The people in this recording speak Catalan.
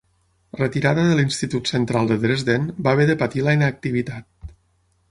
Retirada de l'Institut Central de Dresden, va haver de patir la inactivitat.